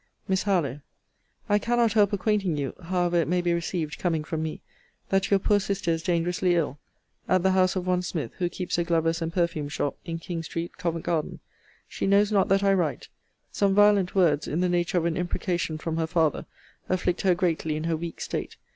MISS HARLOWE, I cannot help acquainting you (however it may be received, coming from me) that your poor sister is dangerously ill, at the house of one Smith, who keeps a glover's and perfume shop, in King street, Covent garden. She knows not that I write. Some violent words, in the nature of an imprecation, from her father, afflict her greatly in her weak state.